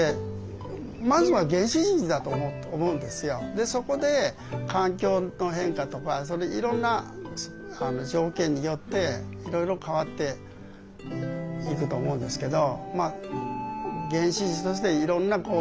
でそこで環境の変化とかいろんな条件によっていろいろ変わっていくと思うんですけど。